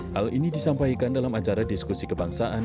hal ini disampaikan dalam acara diskusi kebangsaan